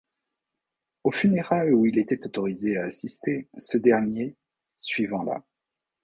Aux funérailles où il a été autorisé à assister, ce dernier, suivant la.